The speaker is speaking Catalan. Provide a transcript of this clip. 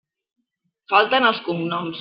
Falten els cognoms.